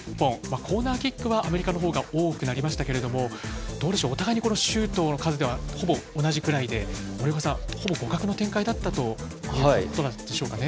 コーナーキックはアメリカの方が多くなりましたがお互いにシュートの数ではほぼ同じくらいで森岡さん、ほぼ互角の展開だったということでしょうか。